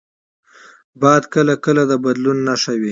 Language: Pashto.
باد کله کله د بدلون نښه وي